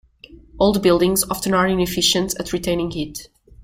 Old buildings often are inefficient at retaining heat.